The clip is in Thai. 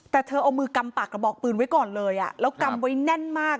แต่เธอเอามือกำปากกระบอกปืนไว้ก่อนเลยแล้วกำไว้แน่นมาก